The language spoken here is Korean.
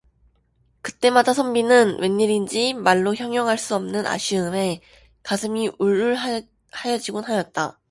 그때마다 선비는 웬일인지 말로 형용할 수 없는 아쉬움에 가슴이 울울 하여지곤 하였다.